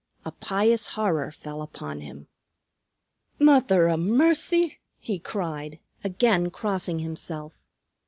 A pious horror fell upon him. "Mither o' mercy!" he cried, again crossing himself.